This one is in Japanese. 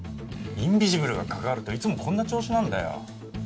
インビジブルが関わるといつもこんな調子なんだよ